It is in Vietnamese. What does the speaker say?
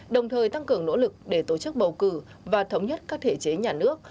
đồng thời tăng cường nỗ lực để tổ chức bầu cử và thống nhất các thể chế nhà nước